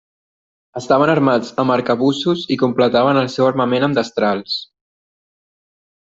Estaven armats amb arcabussos i completaven el seu armament amb destrals.